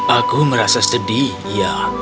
aku merasa sedih iya